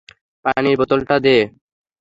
পানির বোতলটা দে।